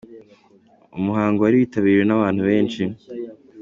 Umuhango wari witabiriwe n’ abantu benshi.